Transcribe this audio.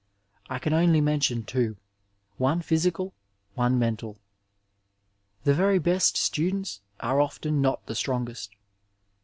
I can only mention two, one physical, one mental. The very best students are often not the strongest.